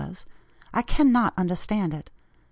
I cannot understand it.